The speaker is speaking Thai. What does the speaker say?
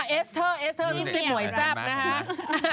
เอเซอร์ซุปซิมหมวยแซ่บนะฮะ